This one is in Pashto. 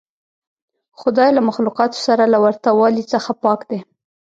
خدای له مخلوقاتو سره له ورته والي څخه پاک دی.